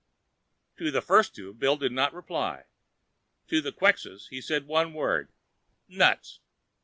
To the first two, Bill did not reply. To the Quxas, he said one word, "Nuts!"